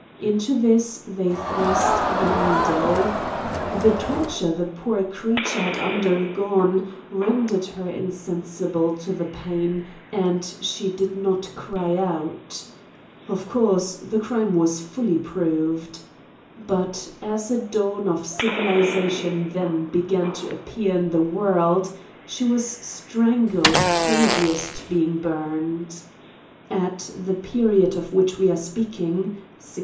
Into this they thrust the needle. The tor ture the poor creature had undergone rendered her insensible to the pain^ and she did not cry out . of course, the crime was fully proved. But as a dawn of civilization then began to appear in the world, she was strangled previous to being burned. At the period of which we are speaking, (1652.)